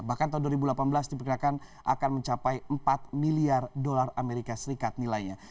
bahkan tahun dua ribu delapan belas diperkirakan akan mencapai empat miliar dolar amerika serikat nilainya